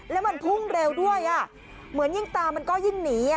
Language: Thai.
แล้วมันพุ่งเร็วด้วยเหมือนยิ่งตามันก็ยิ่งหนี